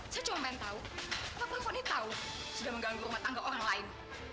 saya cuma mengetahui apapun fonita tahu sudah mengganggu rumah tangga orang lain